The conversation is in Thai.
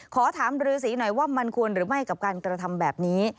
ขอถามรือสีหน่อยว่ามันควรหรือไม่กับการกระทำแบบนี้